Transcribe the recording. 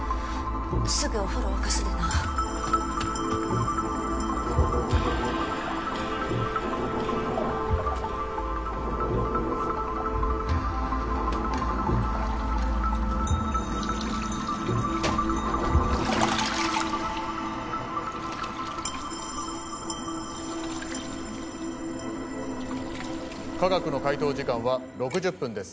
すぐお風呂沸かすでな・化学の解答時間は６０分です